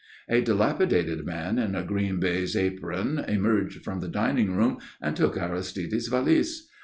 A dilapidated man in a green baize apron emerged from the dining room and took Aristide's valise.